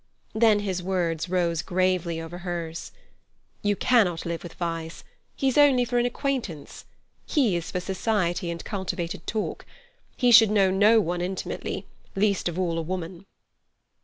Then his words rose gravely over hers: "You cannot live with Vyse. He's only for an acquaintance. He is for society and cultivated talk. He should know no one intimately, least of all a woman."